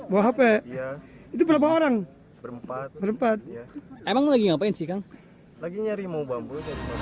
bawa hp ya itu berapa orang berempat berempat emang lagi ngapain sih kang lagi nyari mau bambu